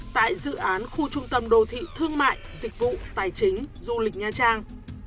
tại dự án khu trung tâm đô thị thương mại dịch vụ tài chính du lịch nha trang